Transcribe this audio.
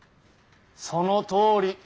そのとおり。